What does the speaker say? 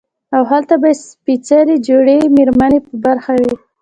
او هلته به ئې سپېڅلې جوړې ميرمنې په برخه وي